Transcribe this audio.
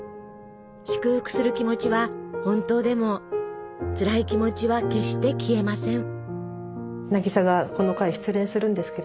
祝福する気持ちは本当でもつらい気持ちは決して消えません。